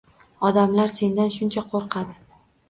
Odamlar sendan shuncha qo`rqadi